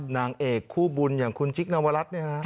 นางเอกคู่บุญอย่างคุณจิ๊กนวรัตร